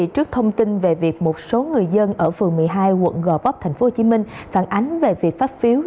trước thông tin về việc một số người dân ở phường một mươi hai quận gò vấp tp hcm phản ánh về việc phát phiếu